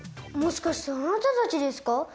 もしかしてあなたたちですか？